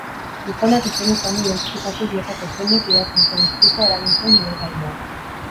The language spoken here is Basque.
Gizonak ezin izan du identifikatu bietako zeinek gidatzen zuen istripua eragin zuen ibilgailua.